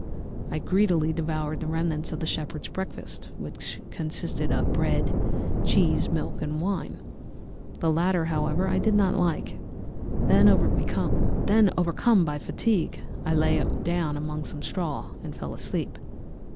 I greedily devoured the remnants of the shepherd's breakfast, which consisted of bread, cheese, milk, and wine; the latter, however, I did not like. Then, overcome by fatigue, I lay down among some straw and fell asleep.